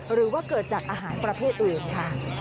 หรือว่าเกิดจากอาหารประเภทอื่นค่ะ